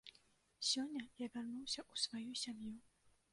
Сёння я вярнуўся ў сваю сям'ю.